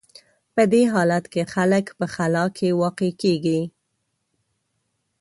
په دې حالت کې خلک په خلا کې واقع کېږي.